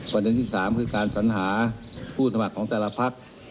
ประเด็นที่๓คือการสัญหาผู้สมัครของแต่ละพัก